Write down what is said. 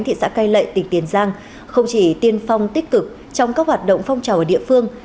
thị xã cai lệ tỉnh tiền giang không chỉ tiên phong tích cực trong các hoạt động phong trào ở địa phương